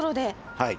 はい。